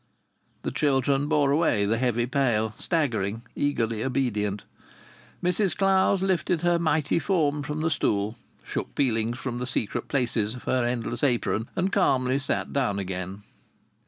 The children bore away the heavy pail, staggering, eagerly obedient. Mrs Clowes lifted her mighty form from the stool, shook peelings from the secret places of her endless apron, and calmly sat down again.